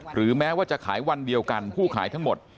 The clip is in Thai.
แม้ว่าจะขายวันเดียวกันผู้ขายทั้งหมด